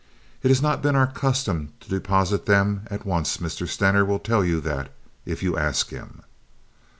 It has not been our custom to deposit them at once. Mr. Stener will tell you that, if you ask him."